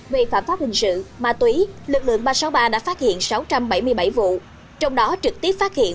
về phạm pháp hình sự ma túy lực lượng ba trăm sáu mươi ba đã phát hiện sáu trăm bảy mươi bảy vụ trong đó trực tiếp phát hiện